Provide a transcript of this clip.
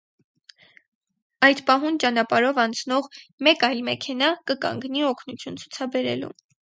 Այդ պահուն ճանապարհով անցնող մէկ այլ մեքենայ, կը կանգնի օգնութիւն ցուցաբերելու։